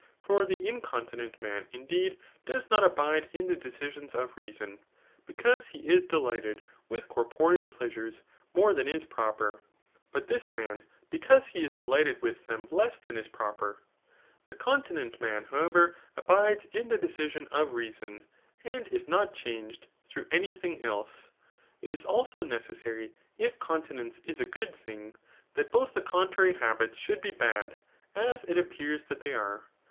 For the incontinent man, indeed, does not abide in the decisions of reason, because he is delighted with corporeal pleasures more than is proper, but this man, because he b delighted with them less than is pro Digitized by Google 272 THE NICOMACH£AN BOOK VlU per. The continent man, however, abides in the dedsioa of reason, and is not changed through any thing else. It is also necessary, if continence is a good thing, that both the contrary habits should be bad, as it appears that they are.